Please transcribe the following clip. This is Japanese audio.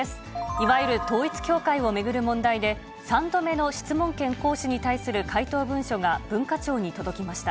いわゆる統一教会を巡る問題で、３度目の質問権行使に対する回答文書が、文化庁に届きました。